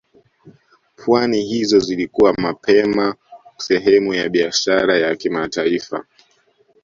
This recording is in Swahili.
Pwani hizo zilikuwa mapema sehemu ya biashara ya kimataifa